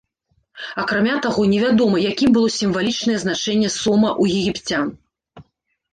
Акрамя таго, невядома, якім было сімвалічна значэнне сома ў егіпцян.